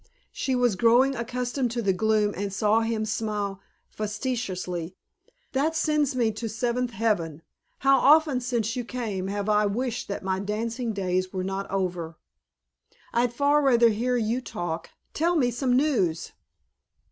She was growing accustomed to the gloom and saw him smile fatuously. "That sends me to the seventh heaven. How often since you came have I wished that my dancing days were not over." "I'd far rather hear you talk. Tell me some news."